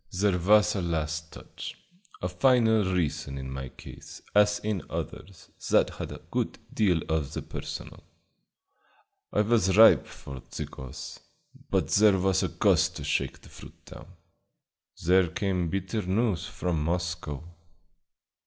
There was a last touch, a final reason in my case, as in others, that had a good deal of the personal. I was ripe for the cause, but there was a gust to shake the fruit down. There came bitter news from Moscow."